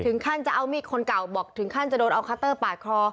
ท่านจะเอามีดคนเก่าบอกถึงขั้นจะโดนเอาคัตเตอร์ปาดคอ